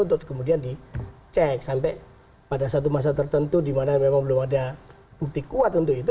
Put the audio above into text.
untuk kemudian dicek sampai pada satu masa tertentu dimana memang belum ada bukti kuat untuk itu